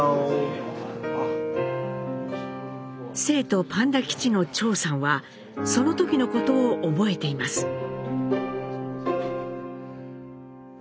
成都パンダ基地の張さんはその時のことを覚えています。